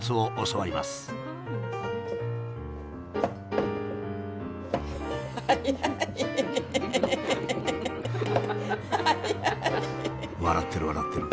笑ってる笑ってる。